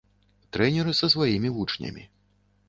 Трэнер са сваімі вучнямі.